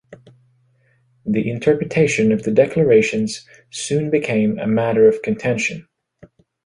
The interpretation of the declarations soon became a matter of contention.